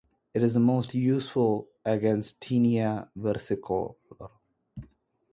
It is most useful against "Tinea versicolor".